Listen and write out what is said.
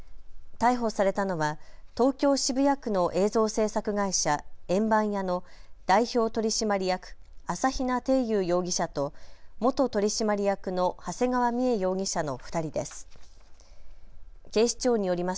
逮捕されたのは東京渋谷区の映像制作会社、円盤家の代表取締役、朝比奈貞祐容疑者と元取締役の長谷川三絵容疑者の２人です。